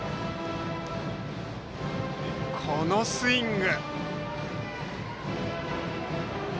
このスイング。